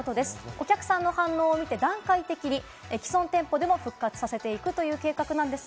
お客さんの反応を見て段階的に既存店舗でも復活させていくという計画です。